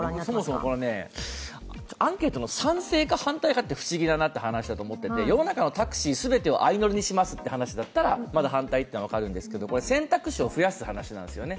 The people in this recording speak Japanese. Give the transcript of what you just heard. そもそもアンケートの賛成か反対かが不思議で、世の中のタクシー全てを相乗りにしますという話だったらまだ反対というのは分かるんですけど、選択肢を増やす話なんですよね。